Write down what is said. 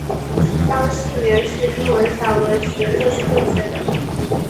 当信源是英文散文时这是正确的。